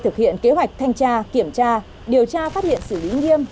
thực hiện kế hoạch thanh tra kiểm tra điều tra phát hiện xử lý nghiêm